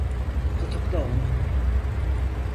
Tutukla onu.